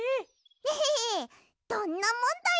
エヘヘどんなもんだい！